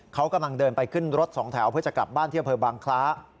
เขากำลังเดินไปขึ้นรถสองแถวเพื่อจะกลับบ้านที่อำเภอบางคล้า